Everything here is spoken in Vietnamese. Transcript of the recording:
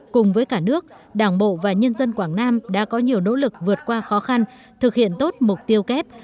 cùng với cả nước đảng bộ và nhân dân quảng nam đã có nhiều nỗ lực vượt qua khó khăn thực hiện tốt mục tiêu kép